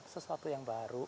sesuatu yang baru